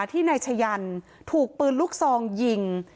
ที่นายชะยันถูกปืนลูกซองยิง